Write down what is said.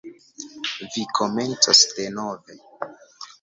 Vi komencos denove.